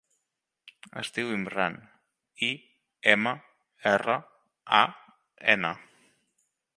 Es diu Imran: i, ema, erra, a, ena.